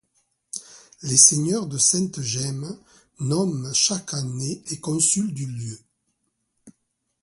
Les seigneurs de Sainte-Gemme nomment chaque année les consuls du lieu.